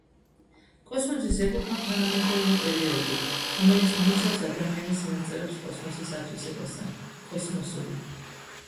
კოსმოსის ეპოქა თანამედროვე პერიოდი, რომელიც მოიცავს ადამიანის მიღწევებს კოსმოსის ათვისებასთან, კოსმოსურ